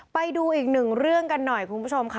ไปดูอีกหนึ่งเรื่องกันหน่อยคุณผู้ชมค่ะ